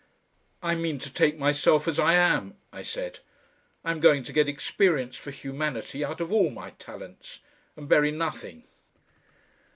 "I mean to take myself as I am," I said. "I'm going to get experience for humanity out of all my talents and bury nothing."